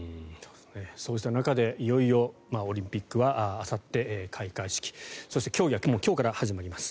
そうした中でいよいよオリンピックはあさって開会式そして競技は今日から始まります。